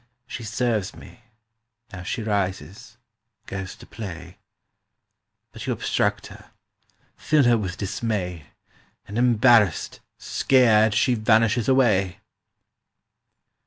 "She serves me: now she rises, Goes to play ... But you obstruct her, fill her With dismay, And embarrassed, scared, she vanishes away!"